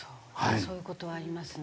そういう事はありますね。